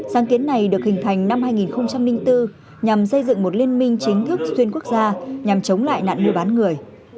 sáng kiến này được hình thành năm hai nghìn bốn nhằm xây dựng một liên minh chính thức xuyên quốc gia nhằm chống lại nạn mua bán người